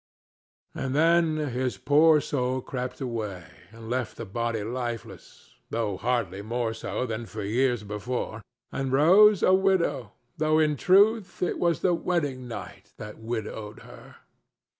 And then his poor soul crept away and left the body lifeless, though hardly more so than for years before, and Rose a widow, though in truth it was the wedding night that widowed her.